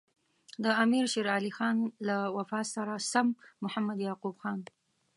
د امیر شېر علي خان له وفات سره سم محمد یعقوب خان.